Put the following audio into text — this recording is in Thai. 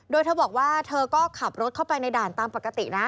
โดยเธอบอกว่าเธอก็ขับรถเข้าไปในด่านตามปกตินะ